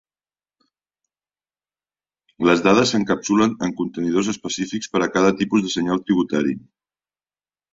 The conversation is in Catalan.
Les dades s'encapsulen en contenidors específics per a cada tipus de senyal tributari.